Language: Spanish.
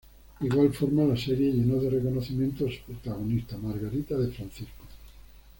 De igual forma, la serie llenó de reconocimiento a su protagonista, Margarita de Francisco.